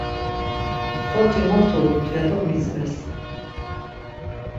Soti mot ulut ya do mitzves.